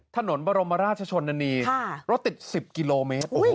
ถนนบรมราชชนนานีรถติด๑๐กิโลเมตร